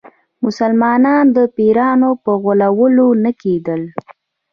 مسلمانانو د پیرانو په غولولو نه کېدل.